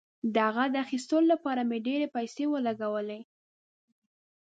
د هغه د اخیستلو لپاره مې ډیرې پیسې ولګولې.